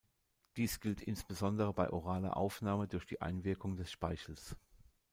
Dies gilt insbesondere bei oraler Aufnahme durch die Einwirkung des Speichels.